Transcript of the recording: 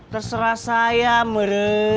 terserah saya meren